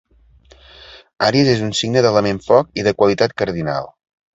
Àries és un signe de l'element foc i de qualitat cardinal.